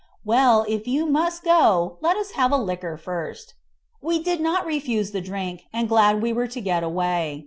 "Well, if you must go, let us have a liquor first." We did not refuse the drink, and glad we were to get away.